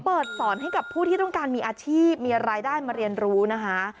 สอนให้กับผู้ที่ต้องการมีอาชีพมีรายได้มาเรียนรู้นะคะ